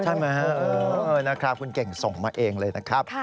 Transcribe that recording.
ใช่มาให้เออคุณเก่งส่งมาเองเลยนะครับ